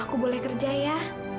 aku boleh kerja ya